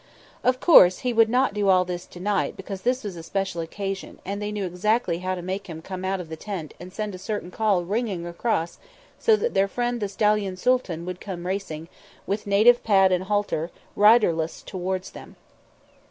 Of course He would not do all this to night because this was a special occasion, and they knew exactly how to make Him come out of the tent and send a certain call ringing across so that their friend the stallion Sooltan would come racing, with native pad and halter, riderless towards them.